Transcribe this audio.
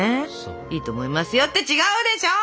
いいと思いますよって違うでしょう！